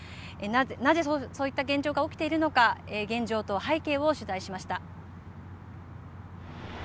なぜそういった現状が起きているのか現状と背景を取材しました。